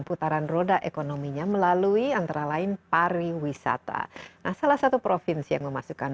putaran roda ekonominya melalui antara lain pariwisata nah salah satu provinsi yang memasukkan